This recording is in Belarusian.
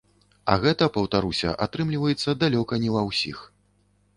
А гэта, паўтаруся, атрымліваецца далёка не ва ўсіх.